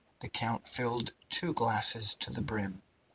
The count filled two glasses to the brim.